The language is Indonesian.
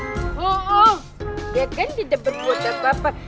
iya kan tidak berbuat apa apa